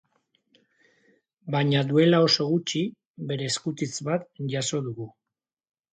Baina duela oso gutxi, bere eskutitz bat jaso dugu.